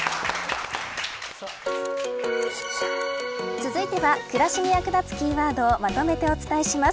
続いては暮らしに役立つキーワードをまとめてお伝えします。